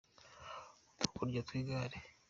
Udukoryo tw’igare